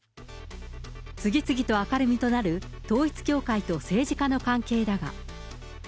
次々と明るみとなる統一教会と政治家の関係だが。